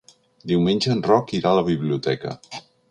Diumenge en Roc irà a la biblioteca.